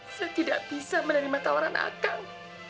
saya tidak bisa menerima tawaran akan